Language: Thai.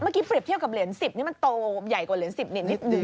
เมื่อกี้พริบเที่ยวกับเหรียญ๑๐มันโตใหญ่กว่าเหรียญ๑๐นิดนึง